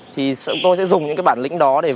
vì vậy chúng tôi sẽ dùng những bản lĩnh đó để vượt qua